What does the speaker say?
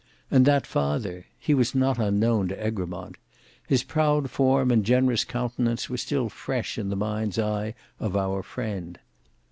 And that father,—he was not unknown to Egremont. His proud form and generous countenance were still fresh in the mind's eye of our friend.